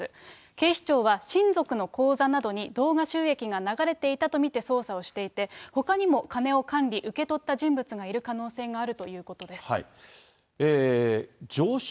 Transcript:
警視庁は親族の口座などに動画収益が流れていたと見て捜査をしていて、ほかにも金を管理、受け取った人物がいる可能性があるということです。